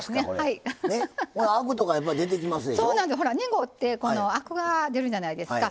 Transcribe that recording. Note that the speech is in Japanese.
ほら濁ってこのアクが出るじゃないですか。